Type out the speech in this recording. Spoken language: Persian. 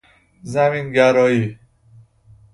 زمین گرایی